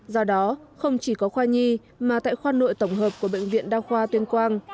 do đó không chỉ có khoa nhi mà tại khoa nội tổng hợp của bệnh viện đa khoa tuyên quang